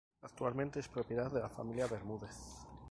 Actualmente es propiedad de la Familia Bermúdez.